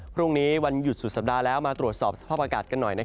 พรุ่งนี้วันหยุดสุดสัปดาห์แล้วมาตรวจสอบสภาพอากาศกันหน่อย